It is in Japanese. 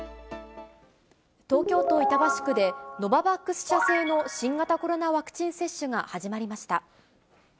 東京都板橋区で、ノババックス社製の新型コロナワクチン接種が始まりました。